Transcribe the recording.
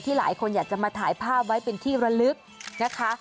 หลายคนอยากจะมาถ่ายภาพไว้เป็นที่ระลึกนะคะ